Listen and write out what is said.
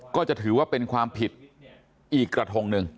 ก็จะถือว่าเป็นความผิดอีกกระทงหนึ่ง